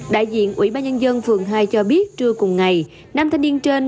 đại diện ủy ban nhân dân phường hai cho biết trưa cùng ngày nam thanh niên trên